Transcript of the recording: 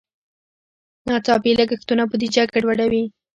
ناڅاپي لګښتونه بودیجه ګډوډوي.